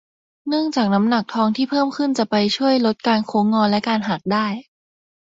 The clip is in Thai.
เนื่องจากน้ำหนักทองที่เพิ่มขึ้นจะไปช่วยลดการโค้งงอและการหักได้